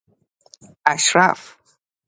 اَشرف